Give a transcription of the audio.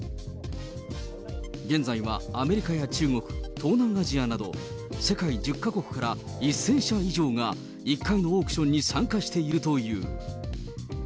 現在はアメリカや中国、東南アジアなど、世界１０か国から１０００社以上が、１回のオークションに参加しているという。